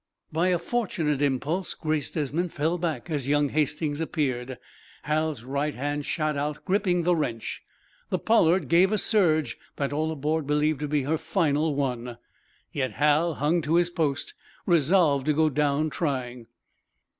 By a fortunate impulse Grace Desmond fell back as young Hastings appeared. Hal's right hand shot out, gripping the wrench. The "Pollard" gave a surge that all aboard believed to be her final one. Yet Hal hung to his post, resolved to go down trying.